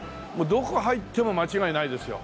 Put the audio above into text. どこ入っても間違いないですよ